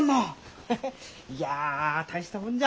ヘヘッいや大したもんじゃ。